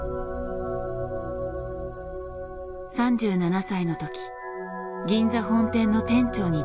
３７歳の時銀座本店の店長に大抜てき。